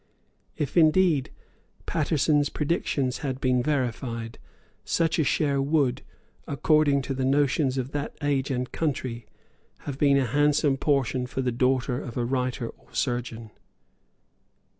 If, indeed, Paterson's predictions had been verified, such a share would, according to the notions of that age and country, have been a handsome portion for the daughter of a writer or a surgeon.